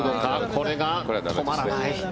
これが止まらない。